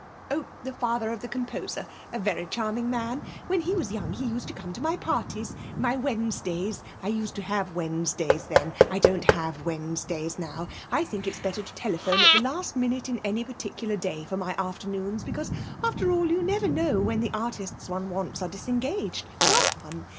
'Oh, the father of the composer a very charming man. When he was young he used to come to my parties my Wednesdays. I used to have Wednesdays then. I don't have Wednesdays now. I think it better to telephone at the last minute any particular day for my afternoons because, after all, you never know when the artists one wants are disengaged, does one?